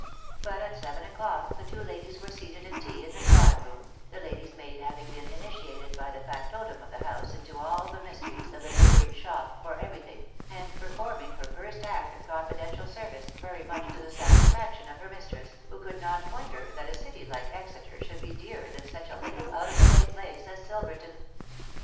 But at seven o'clock (the tiro were seated ait tea in the drawings room, the lady's maid 3m*. ing been initiated by the factotum of the house into all fta* mysteries of <the neighbouring "shop for every ithimg," mod. performing her first act of confidential service sery much *t© the satisfaction of her mistress, who could not wonder <hat a city hfce JEtoeter should be dearer than such a little ont~of~she~ way place as Silverton.